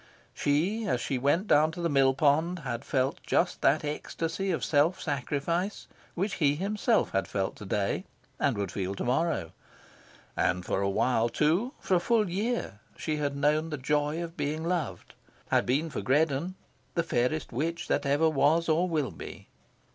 She, as she went down to the mill pond, had felt just that ecstasy of self sacrifice which he himself had felt to day and would feel to morrow. And for a while, too for a full year she had known the joy of being loved, had been for Greddon "the fairest witch that ever was or will be."